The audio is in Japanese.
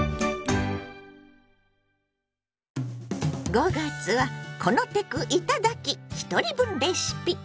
５月は「このテクいただき！ひとり分レシピ」。